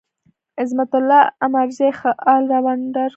عظمت الله عمرزی ښه ال راونډر دی.